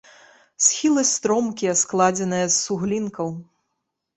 Схілы стромкія, складзеныя з суглінкаў.